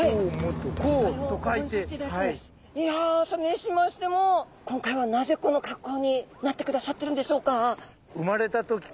いやあそれにしましても今回はなぜこの格好になってくださってるんでしょうか？